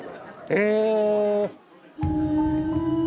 え！